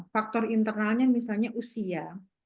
faktor internalnya misalnya usia